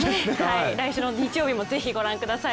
来週の日曜日も是非御覧ください。